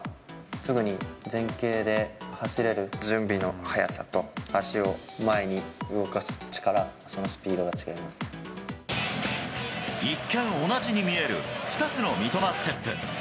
すぐに前傾で走れる準備の早さと、足を前に動かす力、そのスピード一見、同じに見える２つの三笘ステップ。